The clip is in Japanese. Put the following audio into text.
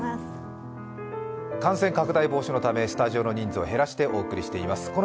感染拡大防止のため、スタジオの人数を減らしてお送りしています。